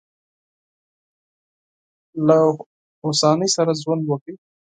له هوساینې سره ژوند وکړئ.